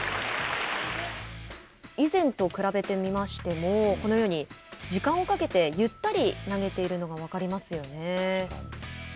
以前と比べてみましてもこのように、時間をかけてゆったりと投げているのが分かりますよね。